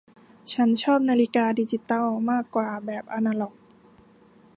ฉันชอบนาฬิกาดิจิตัลมากกว่าแบบอนาล็อก